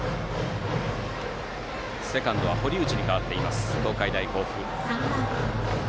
セカンドは堀内に代わっている東海大甲府。